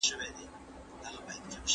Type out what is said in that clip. د قدرت انحصار په بشپړ ډول پای ته ورسېد.